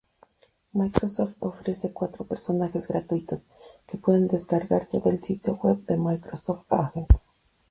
Microsoft ofrece cuatro personajes gratuitos, que pueden descargarse del sitio web de Microsoft Agent.